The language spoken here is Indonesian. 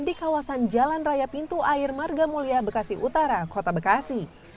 di kawasan jalan raya pintu air marga mulia bekasi utara kota bekasi